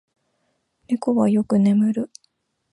猫はよく眠る。